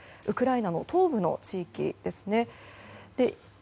ウクライナの東部の地域ですね。